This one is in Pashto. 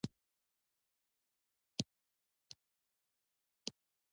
هغوی له جزیرة العرب نه دغې زرخیزې سیمې ته کوچېدلي وو.